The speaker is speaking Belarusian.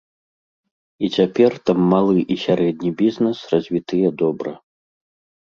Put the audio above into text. І цяпер там малы і сярэдні бізнэс развітыя добра.